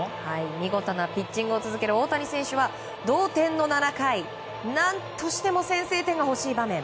見事なピッチングを続ける大谷選手は同点の７回何としても先制点が欲しい場面。